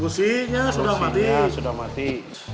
businya sudah mati